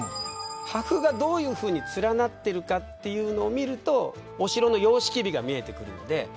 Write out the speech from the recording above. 破風がどういうふうに連なっているかというのを見るとお城の様式美が見えてくるんで。